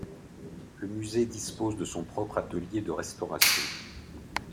Le musée dispose de son propre atelier de restauration.